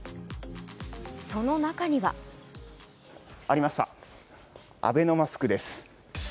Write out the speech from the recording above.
その中にはありました、アベノマスクです。